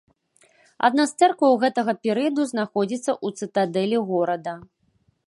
Адна з цэркваў гэтага перыяду знаходзіцца ў цытадэлі горада.